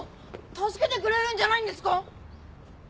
助けてくれるんじゃないんですか？